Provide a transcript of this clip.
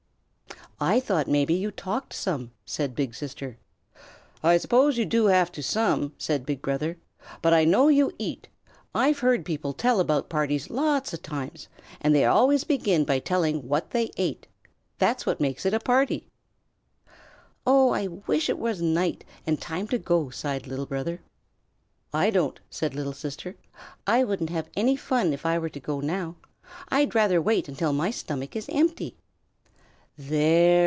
"I thought maybe you talked some," said Big Sister. "I suppose you do have to, some," said Big Brother, "but I know you eat. I've heard people tell about parties lots of times, and they always began by telling what they ate. That's what makes it a party." "Oh, I wish it were night and time to go," sighed Little Brother. "I don't," said Little Sister. "I wouldn't have any fun if I were to go now. I'd rather wait until my stomach is empty." "There!"